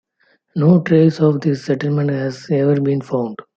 No trace of this settlement has ever been found.